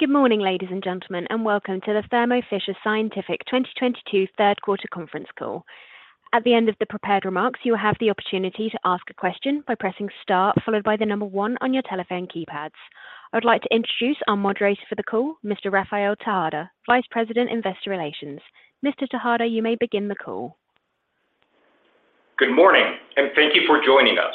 Good morning, ladies and gentlemen, and welcome to the Thermo Fisher Scientific 2022 third quarter conference call. At the end of the prepared remarks, you will have the opportunity to ask a question by pressing star followed by the number one on your telephone keypads. I would like to introduce our moderator for the call, Mr. Rafael Tejada, Vice President, Investor Relations. Mr. Tejada, you may begin the call. Good morning, and thank you for joining us.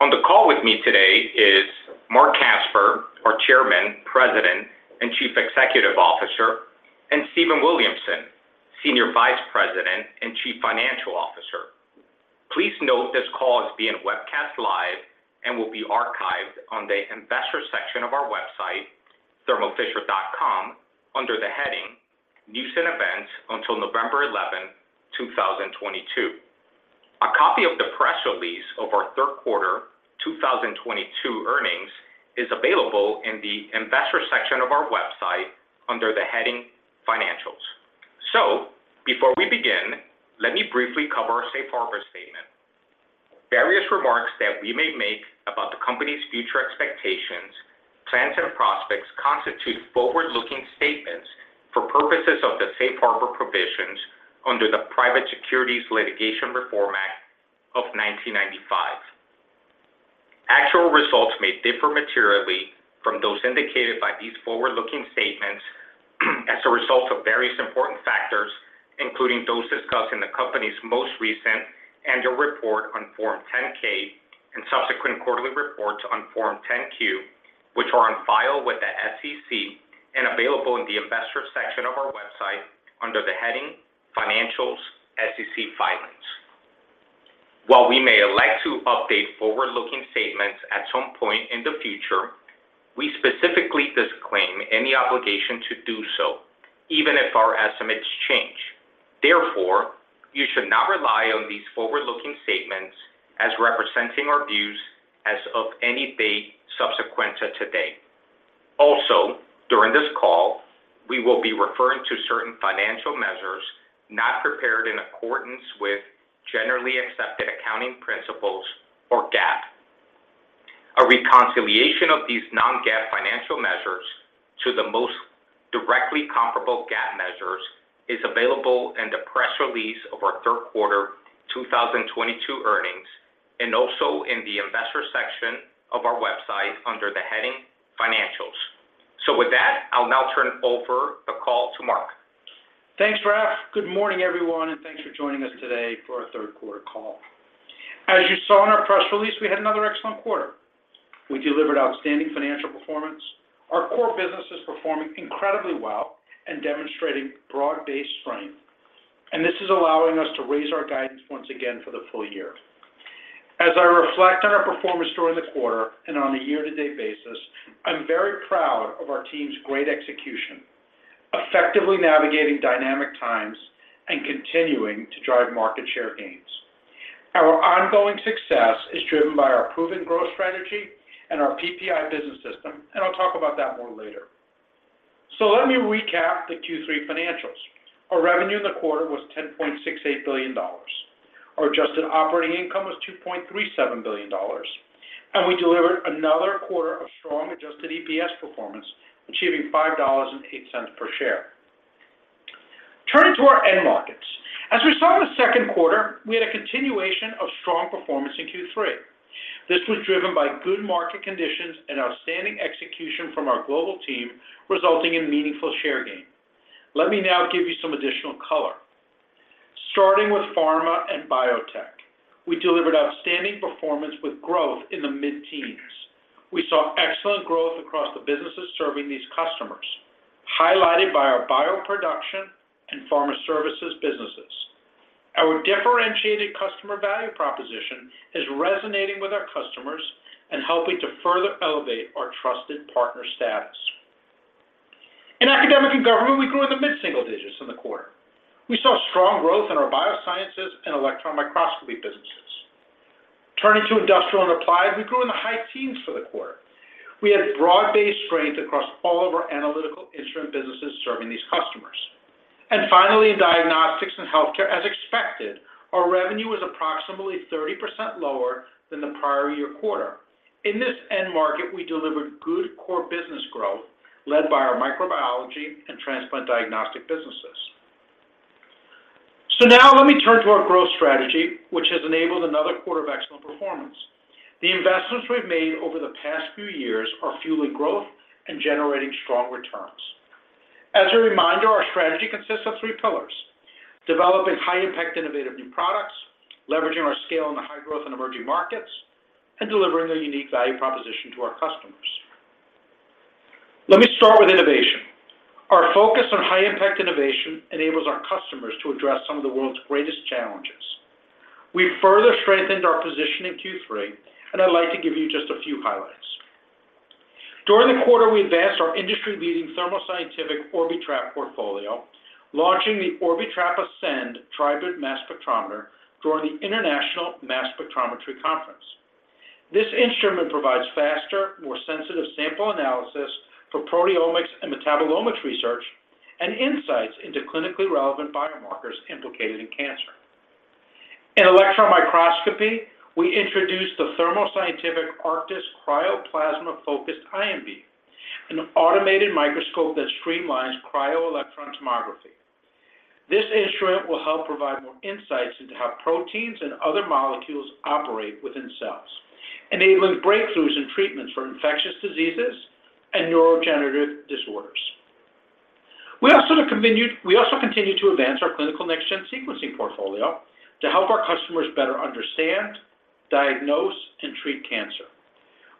On the call with me today is Marc Casper, our Chairman, President, and Chief Executive Officer, and Stephen Williamson, Senior Vice President and Chief Financial Officer. Please note this call is being webcast live and will be archived on the investor section of our website, thermofisher.com, under the heading News and Events until November 11, 2022. A copy of the press release of our third quarter 2022 earnings is available in the investor section of our website under the heading Financials. Before we begin, let me briefly cover our safe harbor statement. Various remarks that we may make about the company's future expectations, plans and prospects constitute forward-looking statements for purposes of the safe harbor provisions under the Private Securities Litigation Reform Act of 1995. Actual results may differ materially from those indicated by these forward-looking statements as a result of various important factors, including those discussed in the company's most recent annual report on Form 10-K and subsequent quarterly reports on Form 10-Q, which are on file with the SEC and available in the investor section of our website under the heading Financials & SEC Filings. While we may elect to update forward-looking statements at some point in the future, we specifically disclaim any obligation to do so, even if our estimates change. Therefore, you should not rely on these forward-looking statements as representing our views as of any date subsequent to today. Also, during this call, we will be referring to certain financial measures not prepared in accordance with generally accepted accounting principles or GAAP. A reconciliation of these non-GAAP financial measures to the most directly comparable GAAP measures is available in the press release of our third quarter 2022 earnings and also in the investors section of our website under the heading Financials. With that, I'll now turn over the call to Marc. Thanks, Rafael Tejada. Good morning, everyone, and thanks for joining us today for our third quarter call. As you saw in our press release, we had another excellent quarter. We delivered outstanding financial performance. Our core business is performing incredibly well and demonstrating broad-based strength. This is allowing us to raise our guidance once again for the full year. As I reflect on our performance during the quarter and on a year-to-date basis, I'm very proud of our team's great execution, effectively navigating dynamic times and continuing to drive market share gains. Our ongoing success is driven by our proven growth strategy and our PPI business system, and I'll talk about that more later. Let me recap the Q3 financials. Our revenue in the quarter was $10.68 billion. Our adjusted operating income was $2.37 billion. We delivered another quarter of strong adjusted EPS performance, achieving $5.08 per share. Turning to our end markets. As we saw in the second quarter, we had a continuation of strong performance in Q3. This was driven by good market conditions and outstanding execution from our global team, resulting in meaningful share gain. Let me now give you some additional color. Starting with pharma and biotech, we delivered outstanding performance with growth in the mid-teens%. We saw excellent growth across the businesses serving these customers, highlighted by our bioproduction and pharma services businesses. Our differentiated customer value proposition is resonating with our customers and helping to further elevate our trusted partner status. In academic and government, we grew in the mid-single digits% in the quarter. We saw strong growth in our biosciences and electron microscopy businesses. Turning to industrial and applied, we grew in the high teens for the quarter. We had broad-based strength across all of our analytical instrument businesses serving these customers. Finally, in diagnostics and healthcare, as expected, our revenue was approximately 30% lower than the prior year quarter. In this end market, we delivered good core business growth led by our microbiology and transplant diagnostic businesses. Now let me turn to our growth strategy, which has enabled another quarter of excellent performance. The investments we've made over the past few years are fueling growth and generating strong returns. As a reminder, our strategy consists of three pillars, developing high-impact innovative new products, leveraging our scale in the high-growth and emerging markets, and delivering a unique value proposition to our customers. Let me start with innovation. Our focus on high-impact innovation enables our customers to address some of the world's greatest challenges. We further strengthened our position in Q3, and I'd like to give you just a few highlights. During the quarter, we advanced our industry-leading Thermo Scientific Orbitrap portfolio, launching the Orbitrap Ascend Tribrid Mass Spectrometer during the International Mass Spectrometry Conference. This instrument provides faster, more sensitive sample analysis for proteomics and metabolomics research and insights into clinically relevant biomarkers implicated in cancer. In electron microscopy, we introduced the Thermo Scientific Arctis Cryo-Plasma Focused Ion Beam, an automated microscope that streamlines cryo-electron tomography. This instrument will help provide more insights into how proteins and other molecules operate within cells, enabling breakthroughs in treatments for infectious diseases and neurodegenerative disorders. We also continue to advance our clinical next-gen sequencing portfolio to help our customers better understand, diagnose, and treat cancer.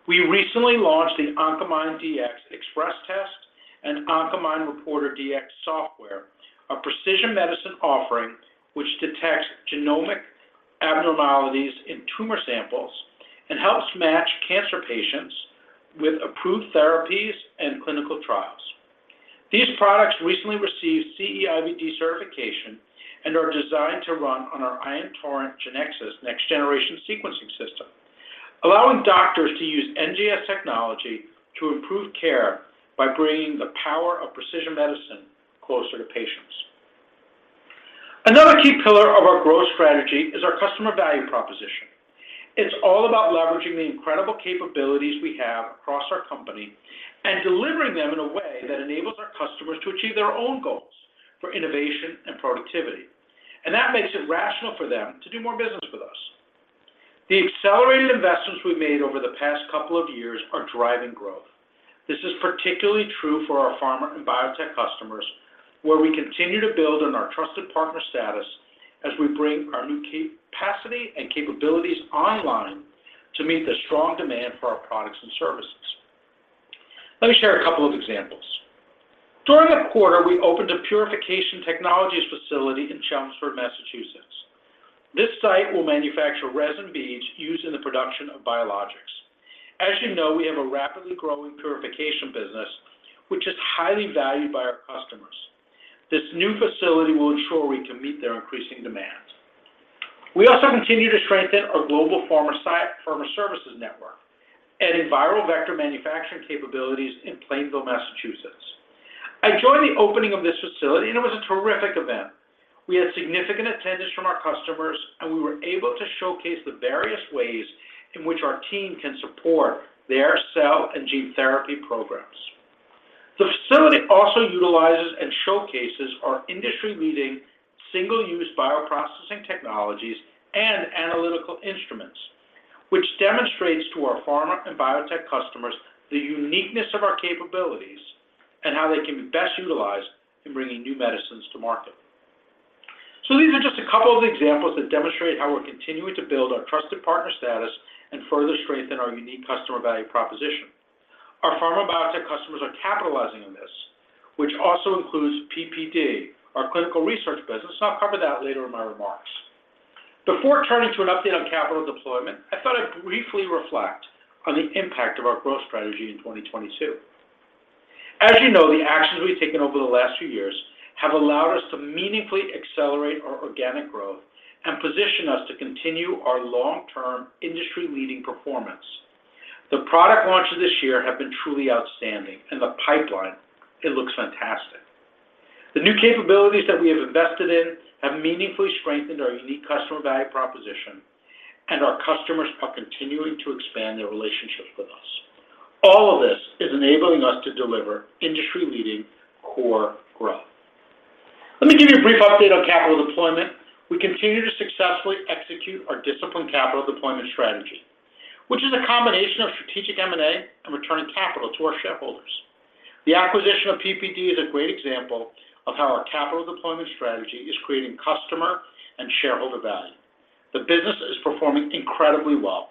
We recently launched the Oncomine Dx Express Test and Oncomine Reporter Dx Software, a precision medicine offering which detects genomic abnormalities in tumor samples and helps match cancer patients with approved therapies and clinical trials. These products recently received CE-IVD certification and are designed to run on our Ion Torrent Genexus next generation sequencing system, allowing doctors to use NGS technology to improve care by bringing the power of precision medicine closer to patients. Another key pillar of our growth strategy is our customer value proposition. It's all about leveraging the incredible capabilities we have across our company and delivering them in a way that enables our customers to achieve their own goals for innovation and productivity. That makes it rational for them to do more business with us. The accelerated investments we've made over the past couple of years are driving growth. This is particularly true for our pharma and biotech customers, where we continue to build on our trusted partner status as we bring our new capacity and capabilities online to meet the strong demand for our products and services. Let me share a couple of examples. During the quarter, we opened a purification technologies facility in Chelmsford, Massachusetts. This site will manufacture resin beads used in the production of biologics. As you know, we have a rapidly growing purification business, which is highly valued by our customers. This new facility will ensure we can meet their increasing demands. We also continue to strengthen our global pharma services network, adding viral vector manufacturing capabilities in Plainville, Massachusetts. I joined the opening of this facility, and it was a terrific event. We had significant attendance from our customers, and we were able to showcase the various ways in which our team can support their cell and gene therapy programs. The facility also utilizes and showcases our industry-leading single-use bioprocessing technologies and analytical instruments, which demonstrates to our pharma and biotech customers the uniqueness of our capabilities and how they can be best utilized in bringing new medicines to market. These are just a couple of examples that demonstrate how we're continuing to build our trusted partner status and further strengthen our unique customer value proposition. Our pharma and biotech customers are capitalizing on this, which also includes PPD, our clinical research business, and I'll cover that later in my remarks. Before turning to an update on capital deployment, I thought I'd briefly reflect on the impact of our growth strategy in 2022. As you know, the actions we've taken over the last few years have allowed us to meaningfully accelerate our organic growth and position us to continue our long-term industry-leading performance. The product launches this year have been truly outstanding, and the pipeline, it looks fantastic. The new capabilities that we have invested in have meaningfully strengthened our unique customer value proposition, and our customers are continuing to expand their relationships with us. All of this is enabling us to deliver industry-leading core growth. Let me give you a brief update on capital deployment. We continue to successfully execute our disciplined capital deployment strategy, which is a combination of strategic M&A and returning capital to our shareholders. The acquisition of PPD is a great example of how our capital deployment strategy is creating customer and shareholder value. The business is performing incredibly well,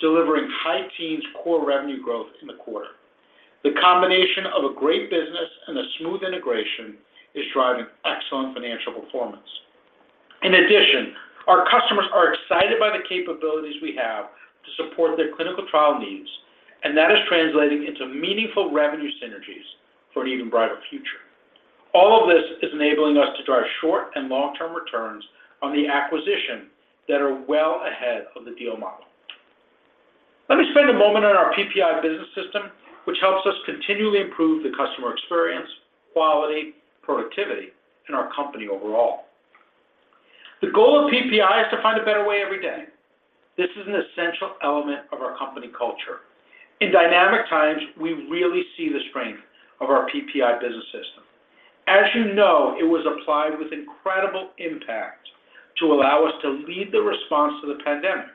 delivering high teens core revenue growth in the quarter. The combination of a great business and a smooth integration is driving excellent financial performance. In addition, our customers are excited by the capabilities we have to support their clinical trial needs, and that is translating into meaningful revenue synergies for an even brighter future. All of this is enabling us to drive short- and long-term returns on the acquisition that are well ahead of the deal model. Let me spend a moment on our PPI business system, which helps us continually improve the customer experience, quality, productivity in our company overall. The goal of PPI is to find a better way every day. This is an essential element of our company culture. In dynamic times, we really see the strength of our PPI business system. As you know, it was applied with incredible impact to allow us to lead the response to the pandemic.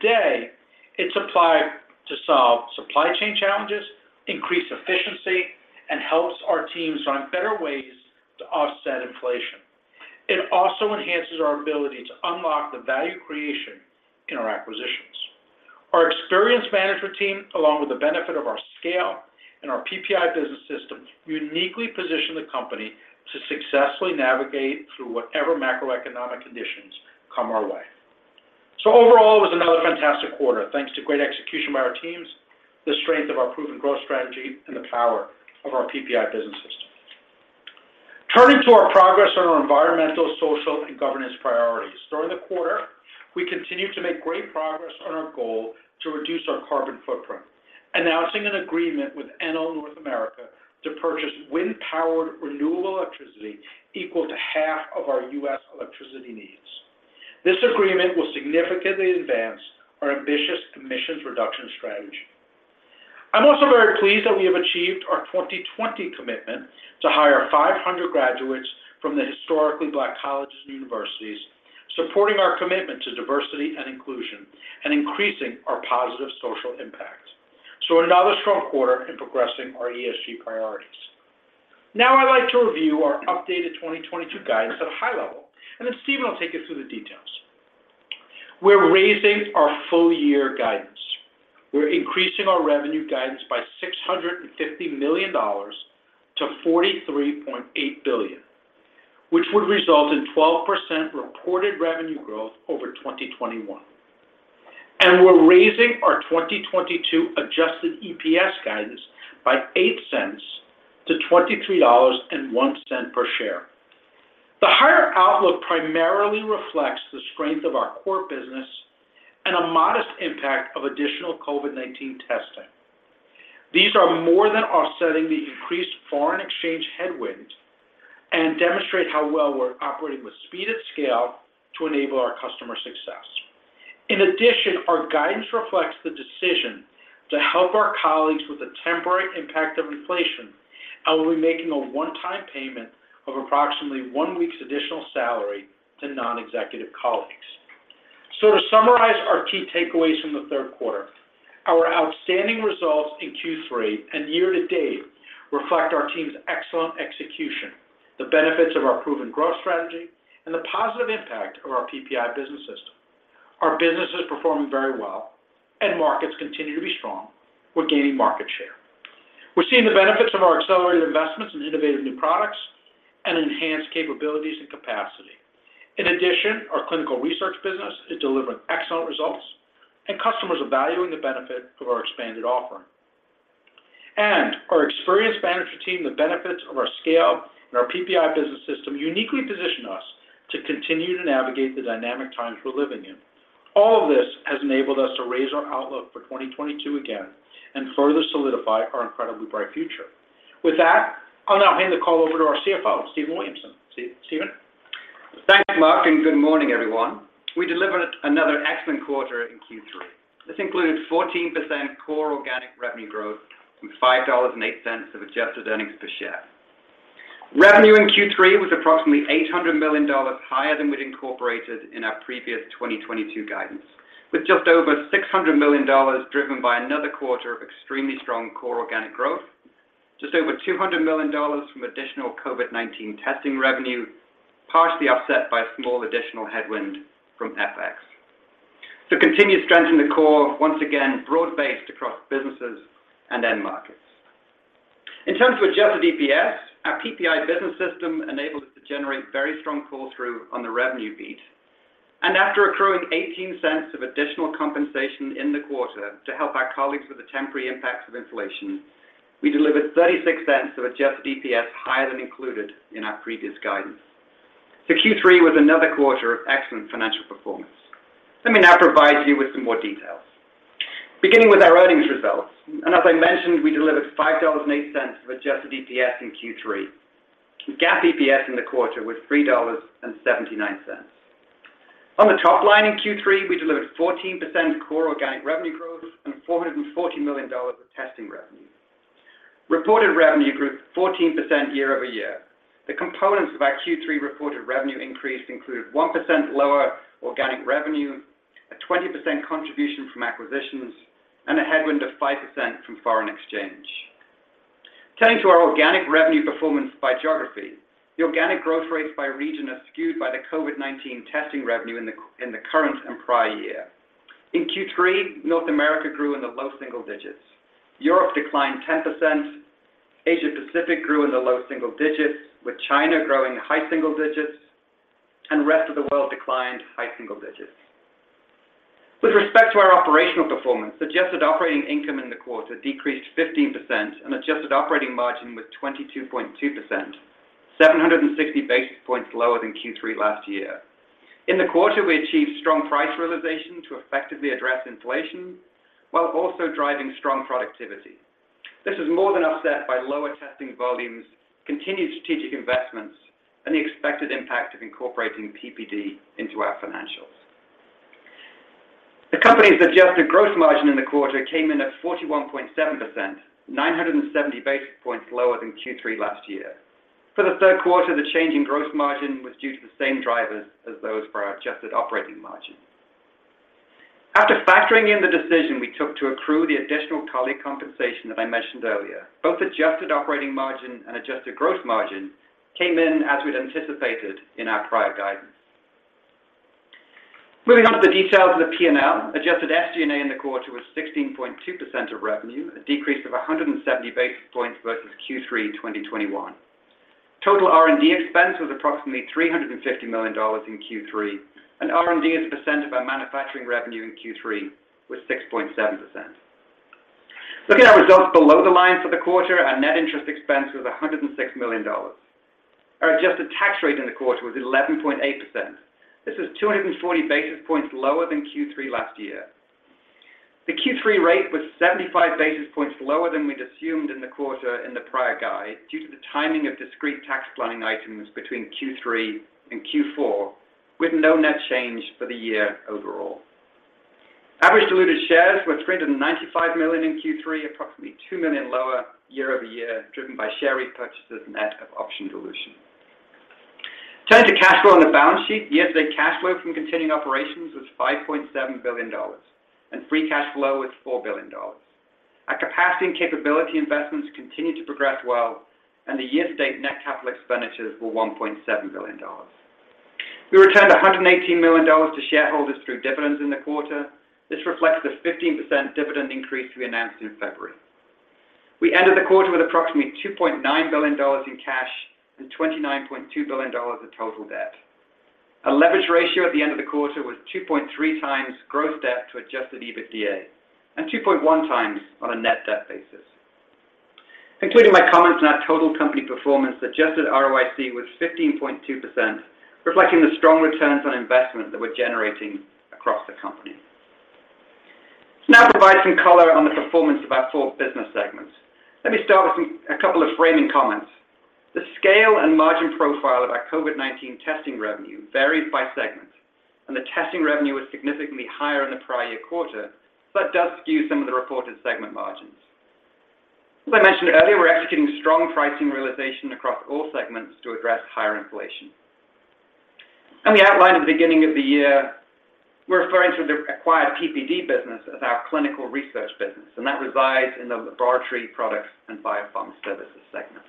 Today, it's applied to solve supply chain challenges, increase efficiency, and helps our teams find better ways to offset inflation. It also enhances our ability to unlock the value creation in our acquisitions. Our experienced management team, along with the benefit of our scale and our PPI business system, uniquely position the company to successfully navigate through whatever macroeconomic conditions come our way. Overall, it was another fantastic quarter, thanks to great execution by our teams, the strength of our proven growth strategy, and the power of our PPI business system. Turning to our progress on our environmental, social, and governance priorities. During the quarter, we continue to make great progress on our goal to reduce our carbon footprint, announcing an agreement with Enel North America to purchase wind-powered renewable electricity equal to half of our US electricity needs. This agreement will significantly advance our ambitious emissions reduction strategy. I'm also very pleased that we have achieved our 2020 commitment to hire 500 graduates from the historically black colleges and universities, supporting our commitment to diversity and inclusion and increasing our positive social impact. Another strong quarter in progressing our ESG priorities. Now I'd like to review our updated 2022 guidance at a high level, and then Stephen will take us through the details. We're raising our full-year guidance. We're increasing our revenue guidance by $650 million to $43.8 billion, which would result in 12% reported revenue growth over 2021. We're raising our 2022 adjusted EPS guidance by $0.08 to $23.01 per share. The higher outlook primarily reflects the strength of our core business and a modest impact of additional COVID-19 testing. These are more than offsetting the increased foreign exchange headwind and demonstrate how well we're operating with speed and scale to enable our customer success. In addition, our guidance reflects the decision to help our colleagues with the temporary impact of inflation and we'll be making a one-time payment of approximately one week's additional salary to non-executive colleagues. To summarize our key takeaways from the third quarter, our outstanding results in Q3 and year-to-date reflect our team's excellent execution, the benefits of our proven growth strategy, and the positive impact of our PPI business system. Our business is performing very well, and markets continue to be strong. We're gaining market share. We're seeing the benefits of our accelerated investments in innovative new products and enhanced capabilities and capacity. In addition, our clinical research business is delivering excellent results, and customers are valuing the benefit of our expanded offering. Our experienced management team, the benefits of our scale, and our PPI business system uniquely position us to continue to navigate the dynamic times we're living in. All of this has enabled us to raise our outlook for 2022 again and further solidify our incredibly bright future. With that, I'll now hand the call over to our CFO, Stephen Williamson. Stephen? Thanks, Marc, and good morning, everyone. We delivered another excellent quarter in Q3. This included 14% core organic revenue growth and $5.08 of adjusted earnings per share. Revenue in Q3 was approximately $800 million higher than we'd incorporated in our previous 2022 guidance, with just over $600 million driven by another quarter of extremely strong core organic growth, just over $200 million from additional COVID-19 testing revenue, partially offset by a small additional headwind from FX. Continued strength in the core, once again, broad-based across businesses and end markets. In terms of adjusted EPS, our PPI business system enabled us to generate very strong pull-through on the revenue beat. After accruing eighteen cents of additional compensation in the quarter to help our colleagues with the temporary impacts of inflation, we delivered 36 cents of adjusted EPS higher than included in our previous guidance. Q3 was another quarter of excellent financial performance. Let me now provide you with some more details. Beginning with our earnings results, and as I mentioned, we delivered $5.08 of adjusted EPS in Q3. GAAP EPS in the quarter was $3.79. On the top line in Q3, we delivered 14% core organic revenue growth and $440 million of testing revenue. Reported revenue grew 14% year-over-year. The components of our Q3 reported revenue increase included 1% lower organic revenue, a 20% contribution from acquisitions, and a headwind of 5% from foreign exchange. Turning to our organic revenue performance by geography, the organic growth rates by region are skewed by the COVID-19 testing revenue in the current and prior year. In Q3, North America grew in the low single digits. Europe declined 10%. Asia Pacific grew in the low single digits, with China growing high single digits, and rest of the world declined high single digits. With respect to our operational performance, adjusted operating income in the quarter decreased 15% and adjusted operating margin was 22.2%, 760 basis points lower than Q3 last year. In the quarter, we achieved strong price realization to effectively address inflation while also driving strong productivity. This was more than offset by lower testing volumes, continued strategic investments, and the expected impact of incorporating PPD into our financials. The company's adjusted gross margin in the quarter came in at 41.7%, 970 basis points lower than Q3 last year. For the third quarter, the change in gross margin was due to the same drivers as those for our adjusted operating margin. After factoring in the decision we took to accrue the additional colleague compensation that I mentioned earlier, both adjusted operating margin and adjusted gross margin came in as we'd anticipated in our prior guidance. Moving on to the details of the P&L, adjusted SG&A in the quarter was 16.2% of revenue, a decrease of 170 basis points versus Q3 2021. Total R&D expense was approximately $350 million in Q3, and R&D as a percent of our manufacturing revenue in Q3 was 6.7%. Looking at our results below the line for the quarter, our net interest expense was $106 million. Our adjusted tax rate in the quarter was 11.8%. This is 240 basis points lower than Q3 last year. The Q3 rate was 75 basis points lower than we'd assumed in the quarter in the prior guide, due to the timing of discrete tax planning items between Q3 and Q4, with no net change for the year overall. Average diluted shares were 395 million in Q3, approximately 2 million lower year-over-year, driven by share repurchases net of option dilution. Turning to cash flow on the balance sheet, year-to-date cash flow from continuing operations was $5.7 billion, and free cash flow was $4 billion. Our capacity and capability investments continued to progress well, and the year-to-date net capital expenditures were $1.7 billion. We returned $118 million to shareholders through dividends in the quarter. This reflects the 15% dividend increase we announced in February. We ended the quarter with approximately $2.9 billion in cash and $29.2 billion of total debt. Our leverage ratio at the end of the quarter was 2.3 times gross debt to adjusted EBITDA, and 2.1 times on a net debt basis. Including my comments on our total company performance, adjusted ROIC was 15.2%, reflecting the strong returns on investment that we're generating across the company. Let's now provide some color on the performance of our four business segments. Let me start with a couple of framing comments. The scale and margin profile of our COVID-19 testing revenue varies by segment, and the testing revenue was significantly higher in the prior year quarter, but does skew some of the reported segment margins. As I mentioned earlier, we're executing strong pricing realization across all segments to address higher inflation. On the outline at the beginning of the year, we're referring to the acquired PPD business as our clinical research business, and that resides in the Laboratory Products and Biopharma Services segment.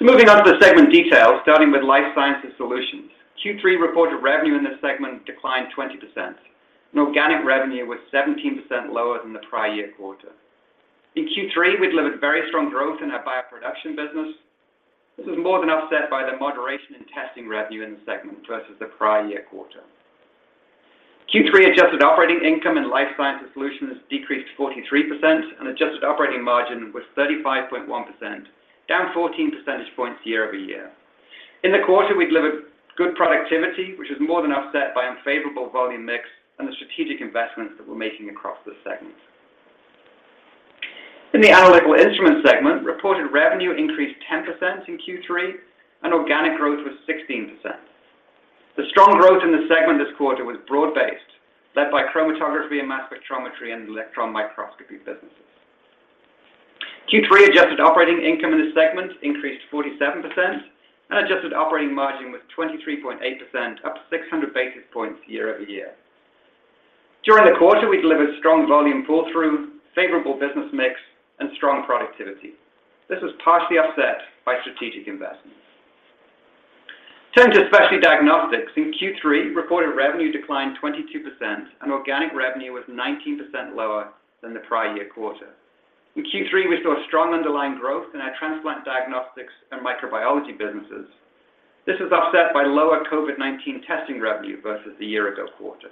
Moving on to the segment details, starting with Life Sciences Solutions. Q3 reported revenue in this segment declined 20%, and organic revenue was 17% lower than the prior year quarter. In Q3, we delivered very strong growth in our bioproduction business. This was more than offset by the moderation in testing revenue in the segment versus the prior year quarter. Q3 adjusted operating income in Life Sciences Solutions decreased 43% and adjusted operating margin was 35.1%, down 14 percentage points year-over-year. In the quarter, we delivered good productivity, which was more than offset by unfavorable volume mix and the strategic investments that we're making across this segment. In the Analytical Instruments segment, reported revenue increased 10% in Q3, and organic growth was 16%. The strong growth in the segment this quarter was broad-based, led by chromatography and mass spectrometry and electron microscopy businesses. Q3 adjusted operating income in this segment increased 47% and adjusted operating margin was 23.8%, up 600 basis points year-over-year. During the quarter, we delivered strong volume pull-through, favorable business mix, and strong productivity. This was partially offset by strategic investments. Turning to Specialty Diagnostics. In Q3, reported revenue declined 22% and organic revenue was 19% lower than the prior year quarter. In Q3, we saw strong underlying growth in our transplant diagnostics and microbiology businesses. This was offset by lower COVID-19 testing revenue versus the year ago quarter.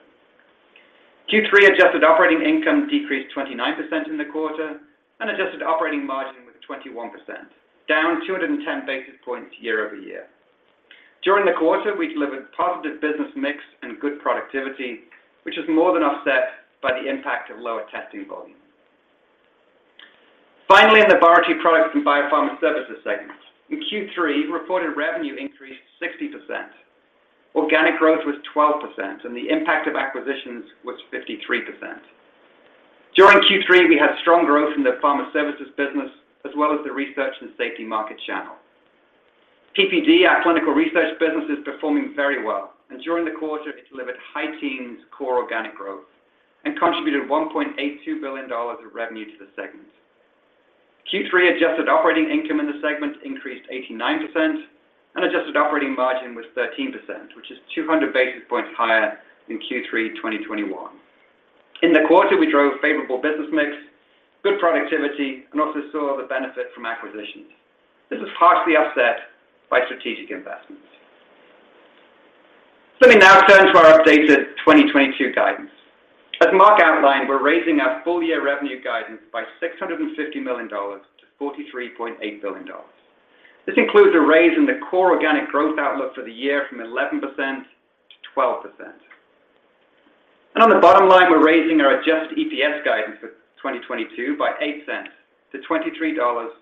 Q3 adjusted operating income decreased 29% in the quarter and adjusted operating margin was 21%, down 210 basis points year-over-year. During the quarter, we delivered positive business mix and good productivity, which was more than offset by the impact of lower testing volume. Finally, in the Laboratory Products and Biopharma Services segment. In Q3, reported revenue increased 60%. Organic growth was 12%, and the impact of acquisitions was 53%. During Q3, we had strong growth in the pharma services business as well as the research and safety market channel. PPD, our clinical research business, is performing very well. During the quarter, it delivered high teens core organic growth and contributed $1.82 billion of revenue to the segment. Q3 adjusted operating income in the segment increased 89% and adjusted operating margin was 13%, which is 200 basis points higher than Q3 2021. In the quarter, we drove favorable business mix, good productivity, and also saw the benefit from acquisitions. This was partially offset by strategic investments. Let me now turn to our updated 2022 guidance. As Marc outlined, we're raising our full year revenue guidance by $650 million to $43.8 billion. This includes a raise in the core organic growth outlook for the year from 11% to 12%. On the bottom line, we're raising our adjusted EPS guidance for 2022 by 8 cents to $23.01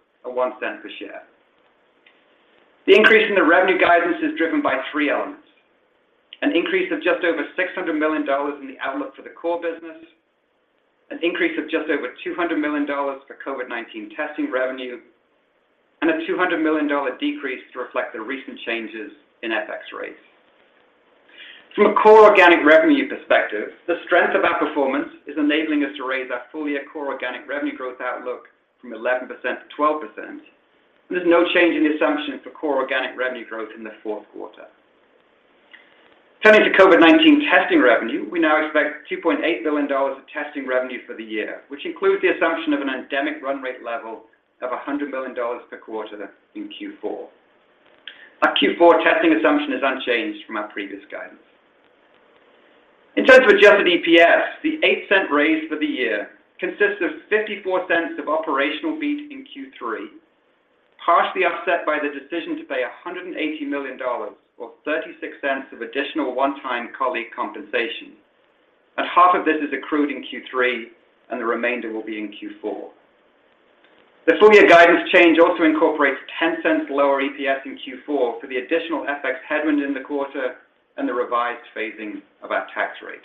per share. The increase in the revenue guidance is driven by three elements, an increase of just over $600 million in the outlook for the core business, an increase of just over $200 million for COVID-19 testing revenue, and a $200 million decrease to reflect the recent changes in FX rates. From a core organic revenue perspective, the strength of our performance is enabling us to raise our full-year core organic revenue growth outlook from 11% to 12%. There's no change in the assumption for core organic revenue growth in the fourth quarter. Turning to COVID-19 testing revenue, we now expect $2.8 billion of testing revenue for the year, which includes the assumption of an endemic run rate level of $100 million per quarter in Q4. Our Q4 testing assumption is unchanged from our previous guidance. In terms of adjusted EPS, the $0.08 raise for the year consists of $0.54 of operational beat in Q3, partially offset by the decision to pay $180 million or $0.36 of additional one-time colleague compensation. Half of this is accrued in Q3, and the remainder will be in Q4. The full-year guidance change also incorporates $0.10 lower EPS in Q4 for the additional FX headwind in the quarter and the revised phasing of our tax rate.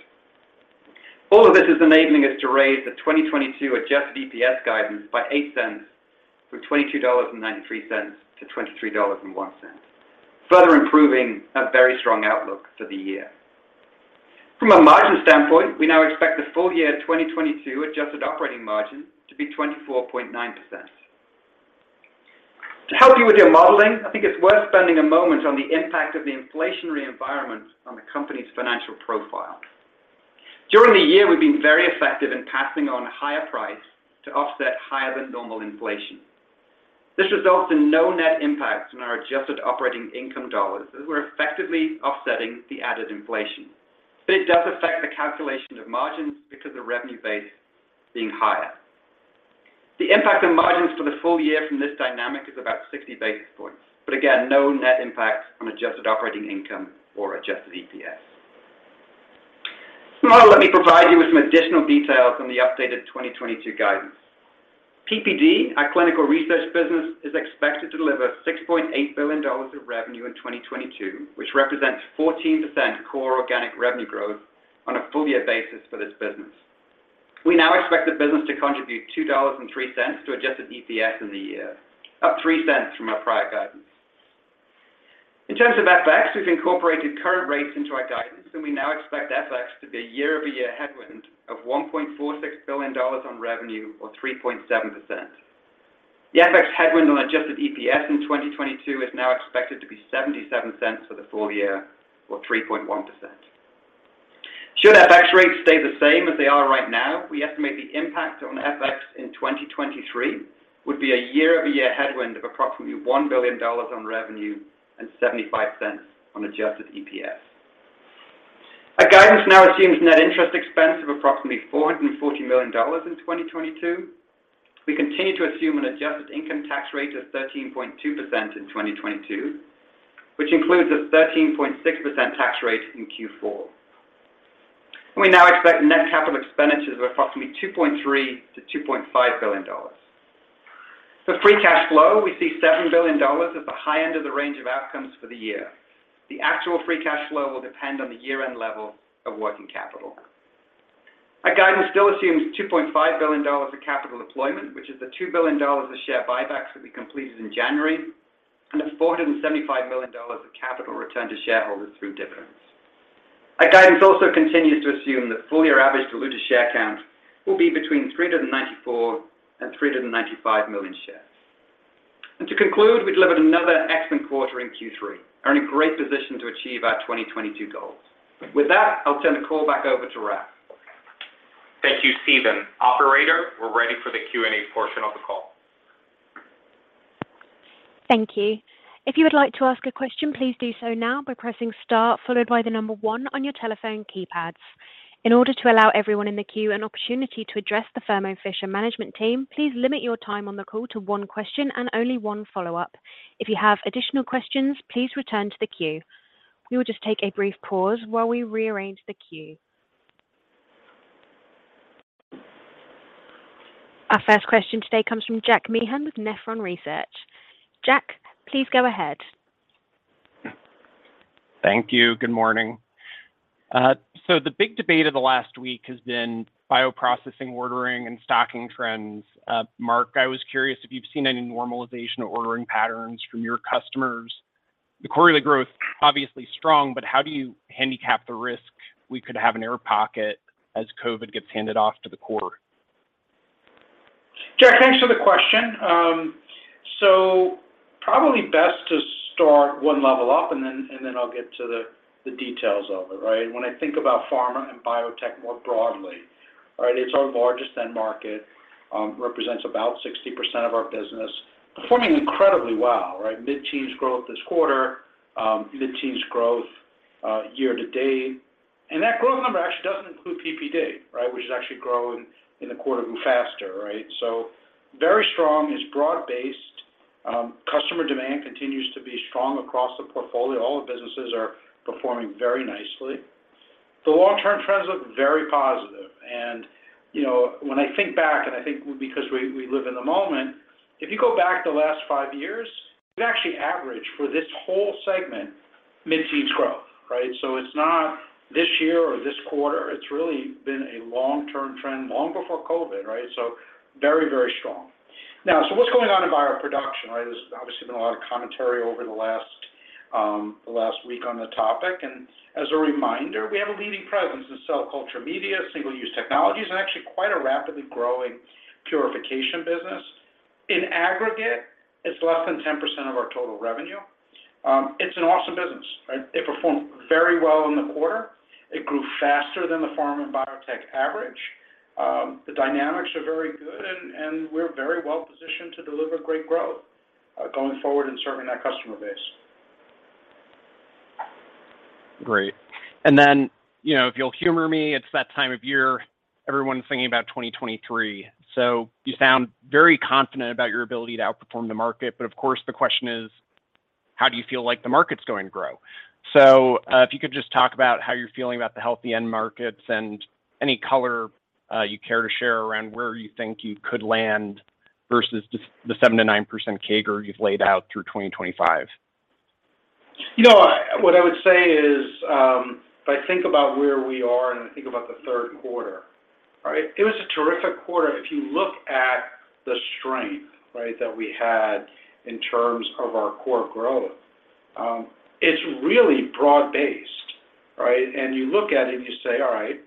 All of this is enabling us to raise the 2022 adjusted EPS guidance by $0.08 from $22.93 to $23.01, further improving a very strong outlook for the year. From a margin standpoint, we now expect the full-year 2022 adjusted operating margin to be 24.9%. To help you with your modeling, I think it's worth spending a moment on the impact of the inflationary environment on the company's financial profile. During the year, we've been very effective in passing on a higher price to offset higher than normal inflation. This results in no net impact on our adjusted operating income dollars as we're effectively offsetting the added inflation. It does affect the calculation of margins because the revenue base being higher. The impact on margins for the full year from this dynamic is about 60 basis points, but again, no net impact on adjusted operating income or adjusted EPS. Now let me provide you with some additional details on the updated 2022 guidance. PPD, our clinical research business, is expected to deliver $6.8 billion of revenue in 2022, which represents 14% core organic revenue growth on a full year basis for this business. We now expect the business to contribute $2.03 to adjusted EPS in the year, up 3 cents from our prior guidance. In terms of FX, we've incorporated current rates into our guidance, and we now expect FX to be a year-over-year headwind of $1.46 billion on revenue or 3.7%. The FX headwind on adjusted EPS in 2022 is now expected to be $0.77 for the full year or 3.1%. Should FX rates stay the same as they are right now, we estimate the impact on FX in 2023 would be a year-over-year headwind of approximately $1 billion on revenue and $0.75 on adjusted EPS. Our guidance now assumes net interest expense of approximately $440 million in 2022. We continue to assume an adjusted income tax rate of 13.2% in 2022, which includes a 13.6% tax rate in Q4. We now expect net capital expenditures of approximately $2.3 billion-$2.5 billion. For free cash flow, we see $7 billion at the high end of the range of outcomes for the year. The actual free cash flow will depend on the year-end level of working capital. Our guidance still assumes $2.5 billion of capital deployment, which is the $2 billion of share buybacks that we completed in January, and $475 million of capital returned to shareholders through dividends. Our guidance also continues to assume that full year average diluted share count will be between 394 and 395 million shares. To conclude, we delivered another excellent quarter in Q3, are in a great position to achieve our 2022 goals. With that, I'll turn the call back over to Rafael Tejada. Thank you, Stephen. Operator, we're ready for the Q&A portion of the call. Thank you. If you would like to ask a question, please do so now by pressing star followed by the number one on your telephone keypads. In order to allow everyone in the queue an opportunity to address the Thermo Fisher management team, please limit your time on the call to one question and only one follow-up. If you have additional questions, please return to the queue. We will just take a brief pause while we rearrange the queue. Our first question today comes from Jack Meehan with Nephron Research. Jack, please go ahead. Thank you. Good morning. The big debate of the last week has been bioprocessing ordering and stocking trends. Marc, I was curious if you've seen any normalization of ordering patterns from your customers. The quarterly growth obviously strong, but how do you handicap the risk we could have an air pocket as COVID gets handed off to the quarter? Jack, thanks for the question. Probably best to start one level up and then I'll get to the details of it, right? When I think about pharma and biotech more broadly, right, it's our largest end market, represents about 60% of our business. Performing incredibly well, right? Mid-teens growth this quarter, mid-teens growth year to date. That growth number actually doesn't include PPD, right, which is actually growing in the quarter even faster, right? Very strong. It's broad-based. Customer demand continues to be strong across the portfolio. All the businesses are performing very nicely. The long-term trends look very positive. You know, when I think back, I think because we live in the moment, if you go back the last five years, we've actually averaged for this whole segment mid-teens growth, right? It's not this year or this quarter. It's really been a long-term trend long before COVID, right? Very, very strong. Now, what's going on in bioproduction, right? There's obviously been a lot of commentary over the last week on the topic. As a reminder, we have a leading presence in cell culture media, single-use technologies, and actually quite a rapidly growing purification business. In aggregate, it's less than 10% of our total revenue. It's an awesome business, right? It performed very well in the quarter. It grew faster than the pharma and biotech average. The dynamics are very good and we're very well positioned to deliver great growth going forward and serving that customer base. Great. You know, if you'll humor me, it's that time of year everyone's thinking about 2023. You sound very confident about your ability to outperform the market. Of course, the question is, how do you feel like the market's going to grow? If you could just talk about how you're feeling about the healthy end markets and any color you care to share around where you think you could land versus the 7%-9% CAGR you've laid out through 2025. You know, what I would say is, if I think about where we are, and I think about the third quarter, right? It was a terrific quarter. If you look at the strength, right, that we had in terms of our core growth, it's really broad-based, right? And you look at it and you say, all right,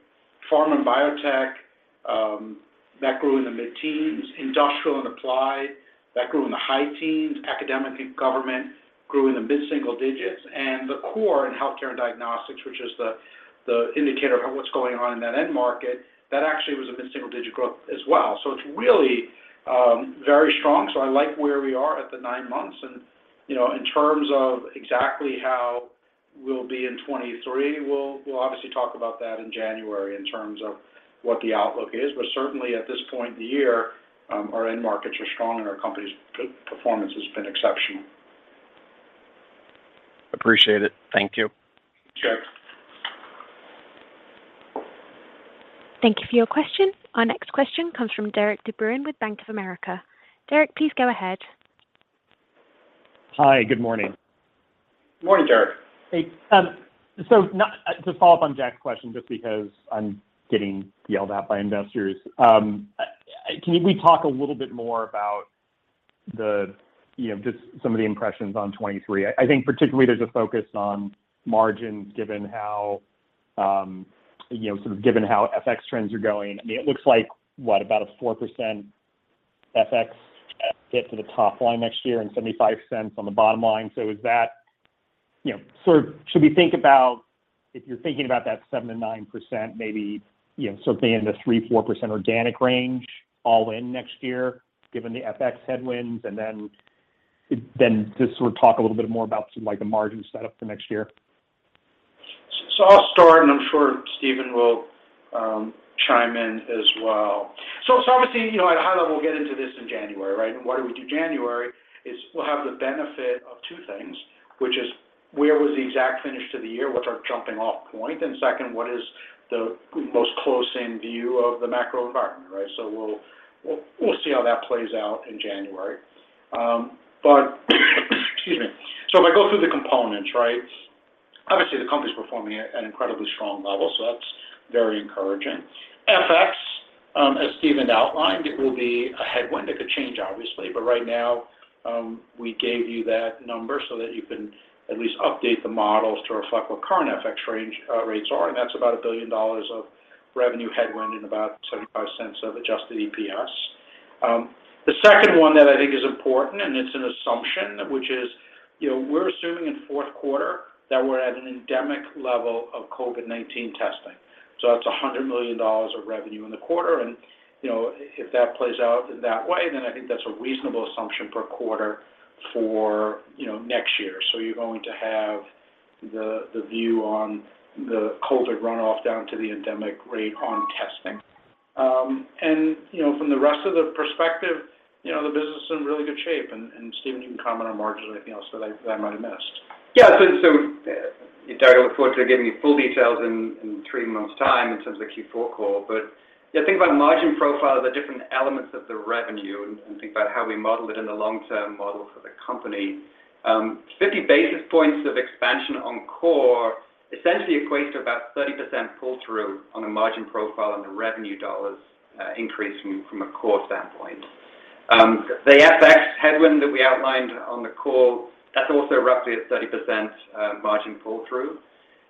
pharma and biotech, that grew in the mid-teens, industrial and applied, that grew in the high teens, academic and government grew in the mid-single digits, and the core in healthcare and diagnostics, which is the indicator of what's going on in that end market, that actually was a mid-single digit growth as well. It's really very strong. I like where we are at the nine months and, you know, in terms of exactly how we'll be in 2023, we'll obviously talk about that in January in terms of what the outlook is. Certainly at this point in the year, our end markets are strong and our company's performance has been exceptional. Appreciate it. Thank you. Sure. Thank you for your question. Our next question comes from Derik De Bruin with Bank of America. Derik, please go ahead. Hi, good morning. Good morning, Derik. Hey, so to follow up on Jack's question, just because I'm getting yelled at by investors, can we talk a little bit more about the, you know, just some of the impressions on 2023? I think particularly there's a focus on margins, given how, you know, sort of given how FX trends are going. I mean, it looks like, what, about a 4% FX hit to the top line next year and $0.75 on the bottom line. So is that, you know, sort of should we think about if you're thinking about that 7%-9%, maybe, you know, something in the 3%-4% organic range all in next year, given the FX headwinds? And then just sort of talk a little bit more about like the margin setup for next year. I'll start, and I'm sure Stephen will chime in as well. Obviously, you know, at a high level, we'll get into this in January, right? Why do we do January is we'll have the benefit of two things, which is where was the exact finish to the year, what's our jumping off point, and second, what is the closest in view of the macro environment, right? We'll see how that plays out in January. But excuse me. If I go through the components, right, obviously the company is performing at an incredibly strong level, so that's very encouraging. FX, as Stephen outlined, it will be a headwind. It could change, obviously. Right now, we gave you that number so that you can at least update the models to reflect what current FX rates are, and that's about $1 billion of revenue headwind and about $0.75 of adjusted EPS. The second one that I think is important, and it's an assumption, which is, you know, we're assuming in fourth quarter that we're at an endemic level of COVID-19 testing. So that's $100 million of revenue in the quarter and, you know, if that plays out in that way, then I think that's a reasonable assumption per quarter for, you know, next year. So you're going to have the view on the COVID runoff down to the endemic rate on testing. You know, from the rest of the perspective, you know, the business is in really good shape. Stephen, you can comment on margins or anything else that I might have missed. Yeah. Derik, I look forward to giving you full details in three months time in terms of the Q4 call. If you think about margin profile, the different elements of the revenue and think about how we model it in the long-term model for the company, 50 basis points of expansion on core essentially equates to about 30% pull-through on a margin profile on the revenue dollars, increasing from a core standpoint. The FX headwind that we outlined on the call, that's also roughly a 30% margin pull-through.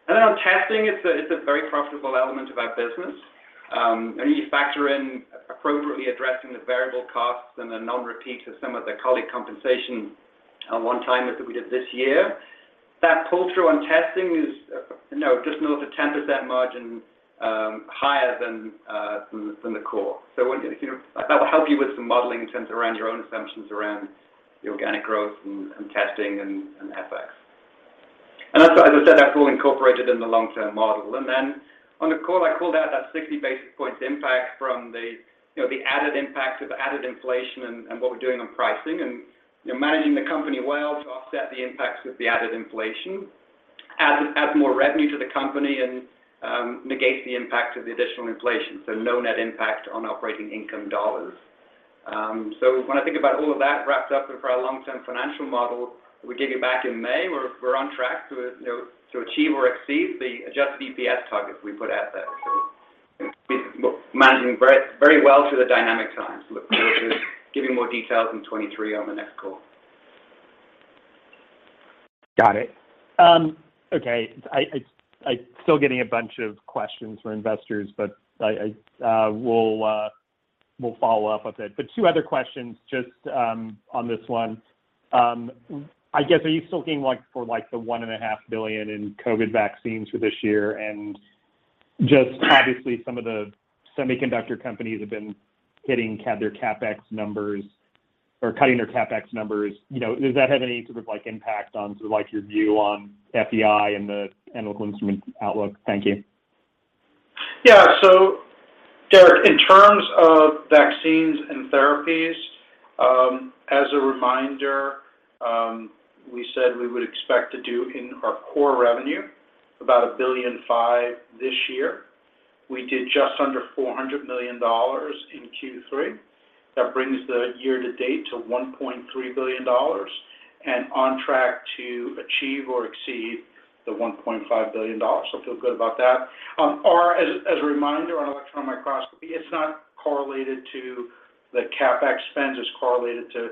Then on testing, it's a very profitable element of our business. You factor in appropriately addressing the variable costs and the non-repeat to some of the colleague compensation, one-timers that we did this year. That pull-through on testing is, you know, just north of 10% margin, higher than the core. You know, that'll help you with some modeling in terms around your own assumptions around the organic growth and testing and FX. As I said, that's all incorporated in the long-term model. Then on the call, I called out that 60 basis points impact from the, you know, the added impact of added inflation and what we're doing on pricing and, you know, managing the company well to offset the impacts with the added inflation, adds more revenue to the company and negates the impact of the additional inflation. No net impact on operating income dollars. When I think about all of that wrapped up for our long-term financial model we gave you back in May, we're on track to, you know, to achieve or exceed the adjusted EPS targets we put out there. We're managing very, very well through the dynamic times. Look forward to giving more details in 2023 on the next call. Got it. Okay. I'm still getting a bunch of questions from investors, but I will, We'll follow up with it. Two other questions just on this one. I guess, are you still looking, like, for, like, the $1.5 billion in COVID vaccines for this year? Just obviously some of the semiconductor companies have been hitting their CapEx numbers or cutting their CapEx numbers. You know, does that have any sort of, like, impact on sort of like your view on FEI Company and the Analytical Instruments outlook? Thank you. Yeah. Derek, in terms of vaccines and therapies, as a reminder, we said we would expect to do in our core revenue about $1.5 billion this year. We did just under $400 million in Q3. That brings the year-to-date to $1.3 billion and on track to achieve or exceed the $1.5 billion. Feel good about that. Or as a reminder on electron microscopy, it's not correlated to the CapEx spend. It's correlated to